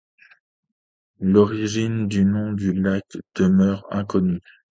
L'origine du nom du lac demeure inconnu.